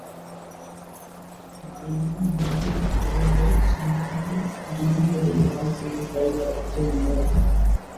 ஆயினும் மனித குலத்தைச் சிந்தனையில் அறிவியலில் வாழ்க்கையில் வழிநடத்தும் நூல்.